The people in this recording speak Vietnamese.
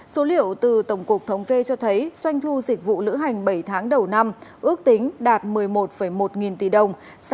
số liệu từ tổng cục thống kê cho thấy doanh thu dịch vụ lữ hành bảy tháng đầu năm ước tính đạt một mươi một một nghìn tỷ đồng